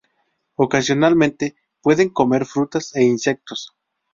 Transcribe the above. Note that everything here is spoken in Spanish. Ocasionalmente pueden comer frutas e insectos.